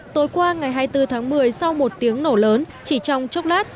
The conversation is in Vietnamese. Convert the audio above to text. tối qua ngày hai mươi bốn tháng một mươi sau một tiếng nổ lớn chỉ trong chốc lát